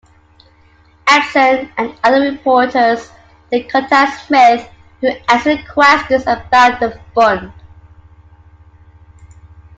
Edson, and other reporters, did contact Smith, who answered questions about the Fund.